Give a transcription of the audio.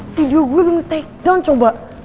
video gua udah di take down coba